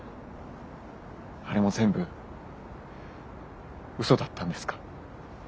あれも全部うそだったんですか？